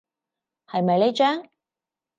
係咪呢張？